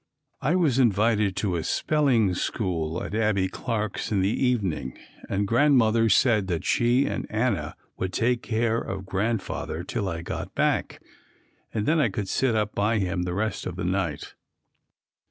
I was invited to a spelling school at Abbie Clark's in the evening and Grandmother said that she and Anna would take care of Grandfather till I got back, and then I could sit up by him the rest of the night.